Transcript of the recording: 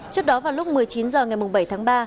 trước đó vào lúc một mươi chín h ngày bảy tháng ba